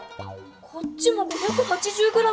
こっちも５８０ｇだ！